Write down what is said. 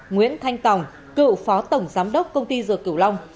nguyễn thanh tòng cựu phó tổng giám đốc công ty dược cửu long